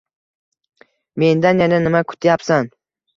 Mendan yana nima kutyabsan